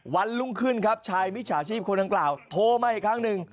วันรุ่งขึ้นครับชายมิจฉาชีพคนดังกล่าวโทรมาอีกครั้งหนึ่ง